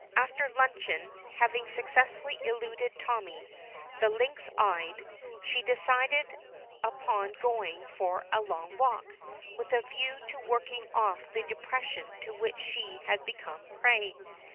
After luncheon, having successfully eluded Tommy, the lynx eyed, she decides upon going for a long walk, with a view to working off the depression to which she has become prey.